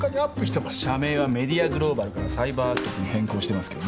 社名はメディアグローバルからサイバーアクセスに変更してますけどね。